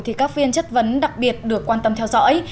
thì các phiên chất vấn đặc biệt được quan tâm theo dõi